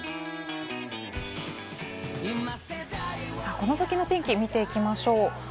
この先の天気を見ていきましょう。